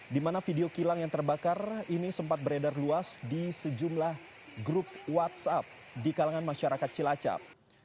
di mana video kilang yang terbakar ini sempat beredar luas di sejumlah grup whatsapp di kalangan masyarakat cilacap